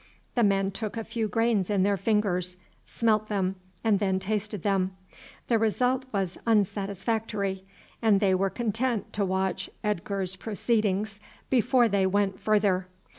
The men took a few grains in their fingers, smelt them, and then tasted them. The result was unsatisfactory, and they were content to watch Edgar's proceedings before they went further.